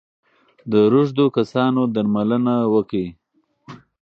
د روږدو کسانو درملنه وکړئ.